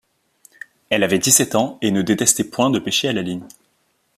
Elle avait dix-sept ans et ne détestait point de pêcher à la ligne.